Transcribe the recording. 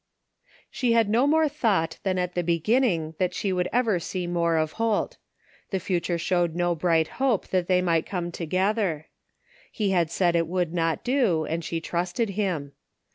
She had no more thought than at the beginning that she would ever see more of Holt. The future showed no bright hope that they might come together. He had said it would not do, and she trusted him.